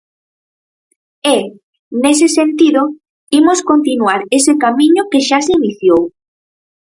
E, nese sentido, imos continuar ese camiño que xa se iniciou.